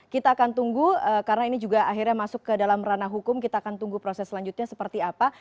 kita akan tunggu karena ini juga akhirnya masuk ke dalam ranah hukum kita akan tunggu proses selanjutnya seperti apa